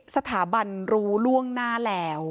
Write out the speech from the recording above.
สถาบันรู้ล่วงหน้าแล้ว